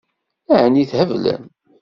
Ɛni theblem?